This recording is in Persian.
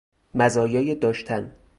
مزایای داشتن